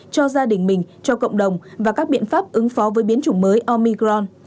cho gia đình mình cho cộng đồng và các biện pháp ứng phó với biến chủng mới omicron